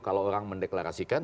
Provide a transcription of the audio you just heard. kalau orang mendeklarasikan